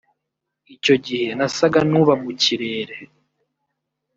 Icyo gihe nasaga n’uba mu kirere